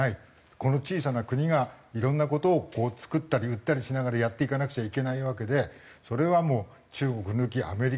この小さな国がいろんな事を作ったり売ったりしながらやっていかなくちゃいけないわけでそれはもう中国抜きアメリカ抜き。